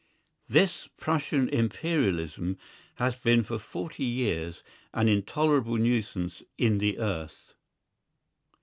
This Prussian Imperialism has been for forty years an intolerable nuisance in the earth.